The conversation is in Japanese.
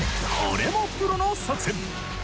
これもプロの作戦。